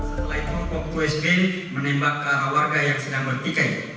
setelah itu kop dua sb menembak ke arah warga yang sedang bertikai